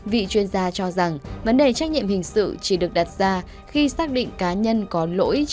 vị chuyên gia cho rằng vấn đề trách nhiệm hình sự chỉ được đặt ra khi xác định cá nhân có lỗi